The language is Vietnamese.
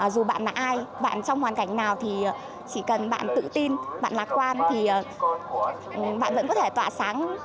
dù bạn là ai bạn trong hoàn cảnh nào thì chỉ cần bạn tự tin bạn lạc quan thì bạn vẫn có thể tỏa sáng